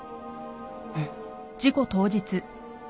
えっ。